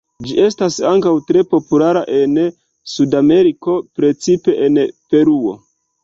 Ĝi estas ankaŭ tre populara en Sudameriko, precipe en Peruo.